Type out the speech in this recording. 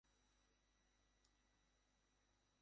শুনুন সবাই, আমরা মেন্টল কোরের কাছাকাছি চলে এসেছি।